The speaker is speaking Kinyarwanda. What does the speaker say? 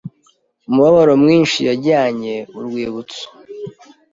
'umubabaro mwinshi yajyanye urwibutso